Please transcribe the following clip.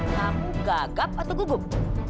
kamu gagap atau gugup